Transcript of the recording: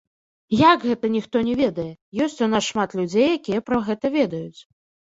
Як гэта ніхто не ведае, ёсць у нас шмат людзей, якія пра гэта ведаюць.